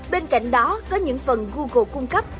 bên cạnh đó có những phần google cung cấp